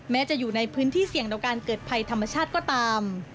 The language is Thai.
แม้จะอยู่ในพื้นที่เสี่ยงต่อการเกิดภัยธรรมชาติก็ตาม